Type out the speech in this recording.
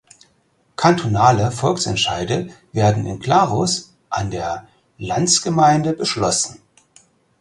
Kantonale Volksentscheide werden in Glarus an der Landsgemeinde beschlossen.